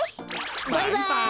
バイバイ。